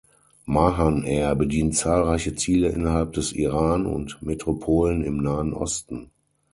Mahan Air bedient zahlreiche Ziele innerhalb des Iran und Metropolen im Nahen Osten.